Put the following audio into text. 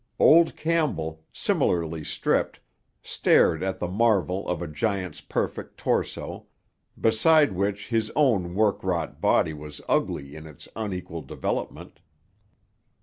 Old Campbell, similarly stripped, stared at the marvel of a giant's perfect torso, beside which his own work wrought body was ugly in its unequal development.